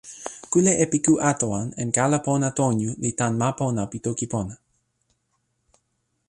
kule epiku Atawan en kala pona Tonyu li tan ma pona pi toki pona.